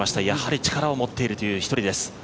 やはり力を持っている１人です。